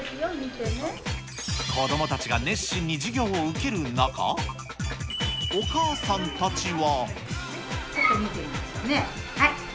子どもたちが熱心に授業を受ける中、お母さんたちは。